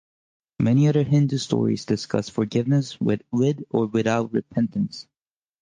Many other Hindu stories discuss forgiveness with or without repentance.